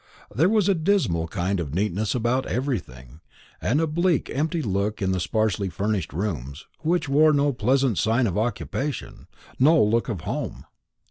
There was a dismal kind of neatness about everything, and a bleak empty look in the sparsely furnished rooms, which wore no pleasant sign of occupation, no look of home.